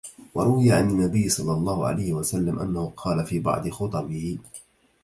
وَرُوِيَ عَنْ النَّبِيِّ صَلَّى اللَّهُ عَلَيْهِ وَسَلَّمَ أَنَّهُ قَالَ فِي بَعْضِ خُطَبِهِ